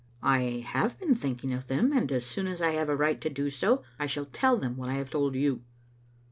" I have been thinking of them, and as soon as I have a right to do so I shall tell them what I have told you."